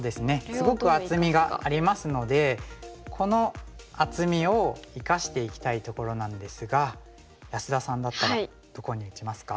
すごく厚みがありますのでこの厚みを生かしていきたいところなんですが安田さんだったらどこに打ちますか？